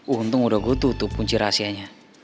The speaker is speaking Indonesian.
untung udah gue tuh kunci rahasianya